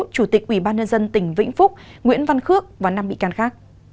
chủ tịch ủy ban nhân dân tỉnh vĩnh phúc nguyễn văn khước và năm bị can khác